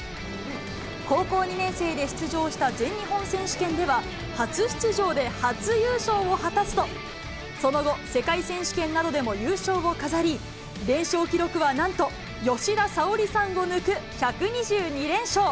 高校２年生で出場した全日本選手権では、初出場で初優勝を果たすと、その後、世界選手権などでも優勝を飾り、連勝記録はなんと吉田沙保里さんを抜く１２２連勝。